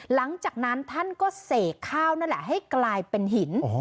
หลังจากนั้นท่านก็เสกข้าวนั่นแหละให้กลายเป็นหิน